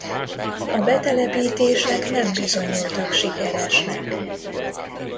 A betelepítések nem bizonyultak sikeresnek.